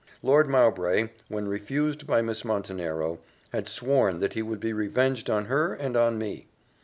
Lord Mowbray, when refused by Miss Montenero, had sworn that he would be revenged on her and on me.